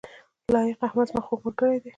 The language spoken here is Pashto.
لائق احمد زما خوږ ملګری دی